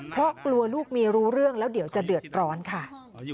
เพราะกลัวลูกเมียรู้เรื่องแล้วเดี๋ยวจะเดือดร้อนค่ะ